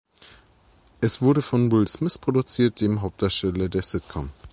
Es wurde von Will Smith produziert, dem Hauptdarsteller der Sitcom.